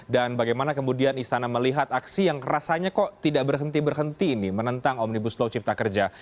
dan bagaimana kemudian istana melihat aksi yang rasanya kok tidak berhenti berhenti ini menentang omnibus law cipta kerja